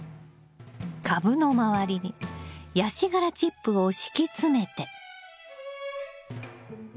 株の周りにヤシ殻チップを敷き詰めて。